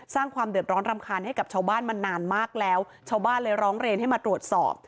สร้างความเดือดร้อนรำคาญให้กับชาวบ้านมานานมากแล้วชาวบ้านเลยร้องเรียนให้มาตรวจสอบ